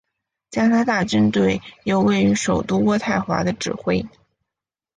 加拿大军队由位于首都渥太华的指挥。